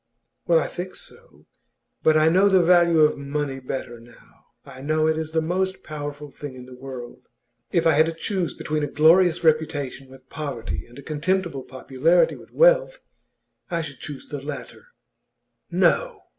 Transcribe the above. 'Well, I think so. But I know the value of money better now. I know it is the most powerful thing in the world. If I had to choose between a glorious reputation with poverty and a contemptible popularity with wealth, I should choose the latter.' 'No!